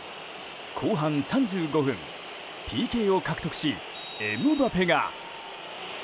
後半３５分ＰＫを獲得し、エムバペが。